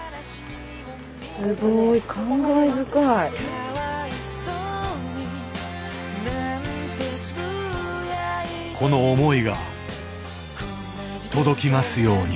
すごいこの思いが届きますように。